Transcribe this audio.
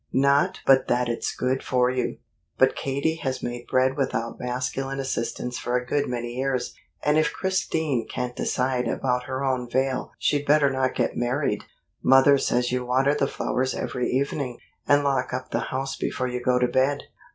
Not but that it's good for you. But Katie has made bread without masculine assistance for a good many years, and if Christine can't decide about her own veil she'd better not get married. Mother says you water the flowers every evening, and lock up the house before you go to bed.